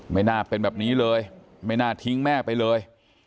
ไม่น่าเป็นแบบนี้เลยไม่น่าทิ้งแม่ไปเลย